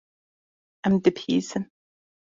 Em dibihîzin.